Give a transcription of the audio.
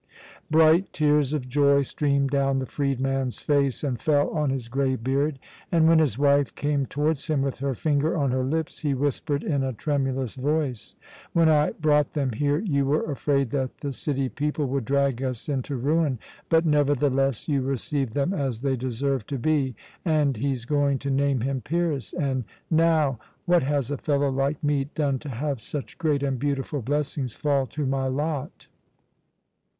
Bright tears of joy streamed down the freedman's face and fell on his grey beard; and when his wife came towards him with her finger on her lips, he whispered in a tremulous voice: "When I brought them here you were afraid that the city people would drag us into ruin, but nevertheless you received them as they deserved to be, and he's going to name him Pyrrhus and now! What has a poor fellow like me done to have such great and beautiful blessings fall to my lot?"